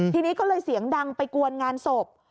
ทีนี้ก็เลยเสียงดังไปกวนงานศพ